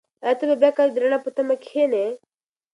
ایا ته به بیا کله د رڼا په تمه کښېنې؟